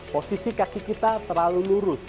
posisi kaki kita terlalu lurus